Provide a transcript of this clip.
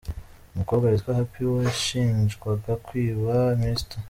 Umukobwa witwa Happy washinjwaga kwiba Mr.